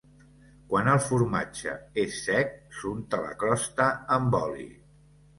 Quan el formatge és sec s'unta la crosta amb oli.